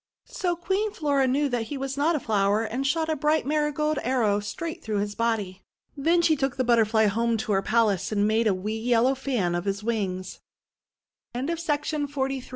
So Queen Flora knew that he was not a flower, and shot a bright Marigold arrow straight through his body. Then she took the Butterfly home to her pal ace, and made a wee yellow fan of his wings. 118 THE WONDER GARDEN FRUIT ON T